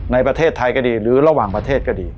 ในประเทศไทยก็ดีหรือระหว่างประเทศก็ดี